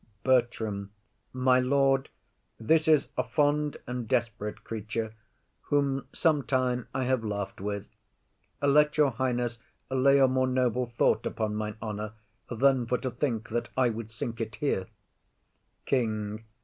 BERTRAM. My lord, this is a fond and desperate creature Whom sometime I have laugh'd with. Let your highness Lay a more noble thought upon mine honour Than for to think that I would sink it here. KING.